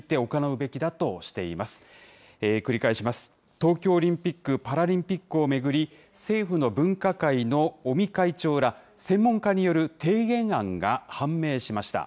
東京オリンピック・パラリンピックを巡り、政府の分科会の尾身会長ら専門家による提言案が判明しました。